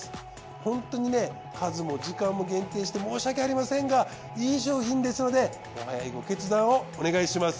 ホントにね数も時間も限定して申し訳ありませんがいい商品ですのでお早いご決断をお願いします。